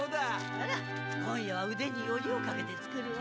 あら今夜はうでによりをかけて作るわ。